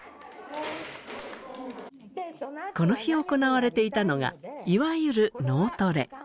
この日行われていたのがいわゆる脳トレ。